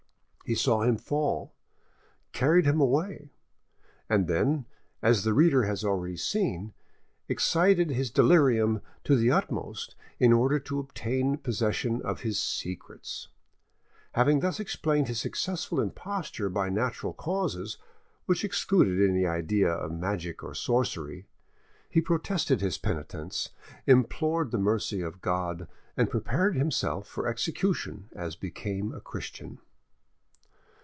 He saw him fall, carried him away, and then, as the reader has already seen, excited his delirium to the utmost in order to obtain possession of his secrets. Having thus explained his successful imposture by natural causes, which excluded any idea of magic or sorcery, he protested his penitence, implored the mercy of God, and prepared himself for execution as became a Christian.